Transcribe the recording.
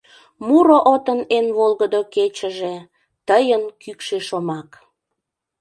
Муро отын эн волгыдо кечыже — Тыйын кӱкшӧ шомак.